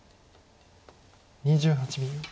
２８秒。